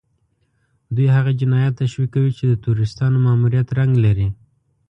دوی هغه جنايات تشويقوي چې د تروريستانو ماموريت رنګ لري.